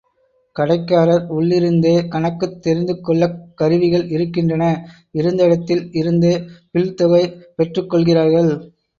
கடைக்காரர் உள்ளிருந்தே கணக்குத் தெரிந்து கொள்ளக் கருவிகள் இருக்கின்றன, இருந்த இடத்தில் இருந்தே பில் தொகை பெற்றுக்கொள்கிறார்கள்.